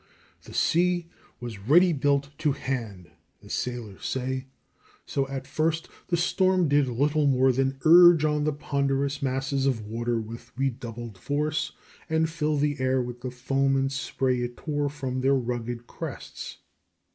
The sea was "ready built to hand," as sailors say, so at first the storm did little more than urge on the ponderous masses of water with redoubled force, and fill the air with the foam and spray it tore from their rugged crests.